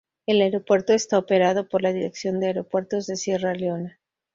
El aeropuerto está operado por la Dirección de Aeropuertos de Sierra Leona.